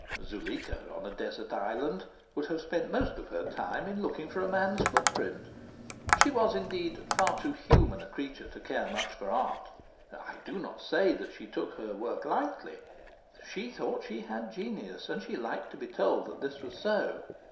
Zuleika, on a desert island, would have spent most of her time in looking for a man's foot print. She was, indeed, far too human a creature to care much for art. I do not say that she took her work lightly. She thought she had genius, and she liked to be told that this was so.